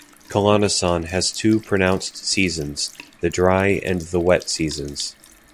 Calanasan has two pronounced seasons, the dry and the wet seasons.